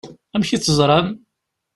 Amek i tt-ẓṛan?